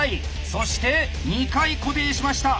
そして２回固定しました。